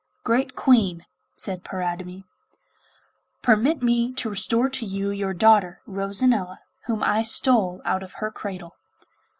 'Great Queen,' said Paridamie, 'permit me to restore to you your daughter Rosanella, whom I stole out of her cradle.